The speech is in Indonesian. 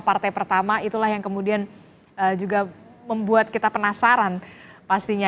partai pertama itulah yang kemudian juga membuat kita penasaran pastinya